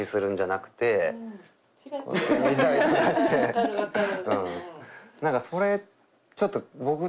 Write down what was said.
分かる分かる。